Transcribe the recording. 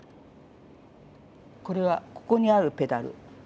これはここにあるペダル